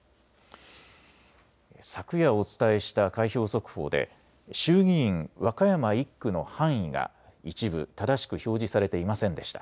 昨夜お伝えした開票速報で衆議院和歌山１区の範囲が一部、正しく表示されていませんでした。